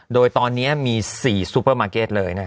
โดยตอนนี้มี๔ซูเปอร์มาร์เก็ตเลย